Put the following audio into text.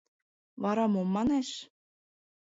Вара мом манеш?..